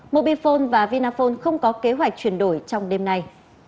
mobifone và vinaphone không có kế hoạch chuyển đổi trong đêm nay